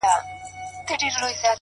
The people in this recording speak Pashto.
o گراني چي د ټول كلي ملكه سې،